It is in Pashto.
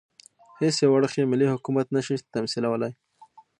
هېڅ یو اړخ یې ملي حکومت نه شي تمثیلولای.